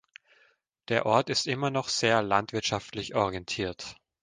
Der Ort ist immer noch sehr landwirtschaftlich orientiert.